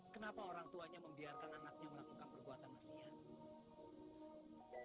kenapa orang tuanya membiarkan anaknya melakukan perbuatan masiat